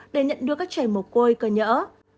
để nhận đưa các trẻ mồ côi cơ nhỡ